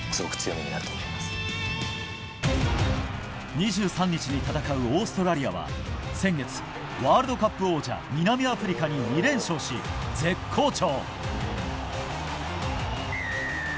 ２３日に戦うオーストラリアは先月、ワールドカップ王者南アフリカに２連勝し絶好調。